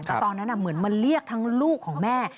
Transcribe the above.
แต่ตอนนั้นเหมือนมาเรียกทั้งลูกของแม่